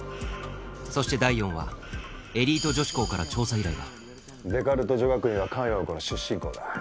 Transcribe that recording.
そして第４話エリート女子校から調査依頼がデカルト女学院は菅容子の出身校だ。